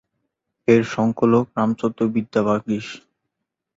এর সংকলক রামচন্দ্র বিদ্যাবাগীশ।